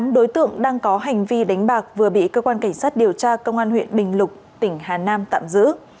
tám đối tượng đang có hành vi đánh bạc vừa bị cơ quan cảnh sát điều tra công an huyện bình lục tỉnh hà nam tạm giữ